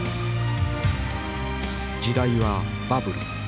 時代はバブル。